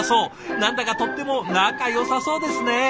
何だかとっても仲よさそうですね。